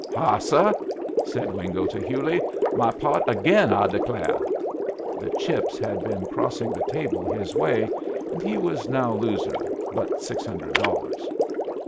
"Ha, suh!" said Wingo to Hewley. "My pot again, I declah." The chips had been crossing the table his way, and he was now loser but six hundred dollars.